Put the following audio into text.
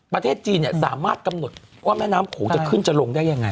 ประเทศจีนสามารถกำหนดว่าแม่น้ำโขงจะขึ้นจะลงได้ยังไง